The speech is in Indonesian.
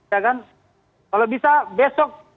ya kan kalau bisa besok